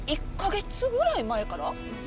１カ月ぐらい前から。